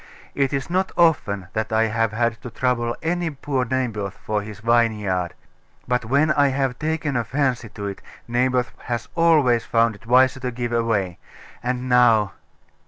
It is not often that I have had to trouble any poor Naboth for his vineyard: but when I have taken a fancy to it, Naboth has always found it wiser to give way. And now....